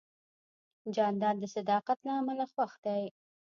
جانداد د صداقت له امله خوښ دی.